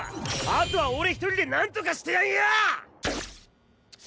あとは俺一人でなんとかしてやんよ！